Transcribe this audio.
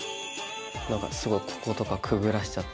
何かすごいこことかくぐらしちゃって。